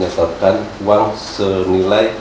jalan jalan men